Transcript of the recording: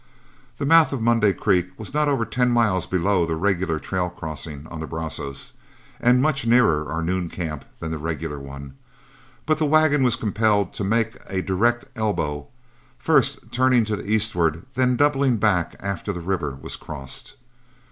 The mouth of Monday Creek was not over ten miles below the regular trail crossing on the Brazos, and much nearer our noon camp than the regular one; but the wagon was compelled to make a direct elbow, first turning to the eastward, then doubling back after the river was crossed.